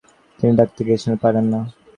তিনি সহজে কোনো মেয়েকে মা ডাকতে পারেন না।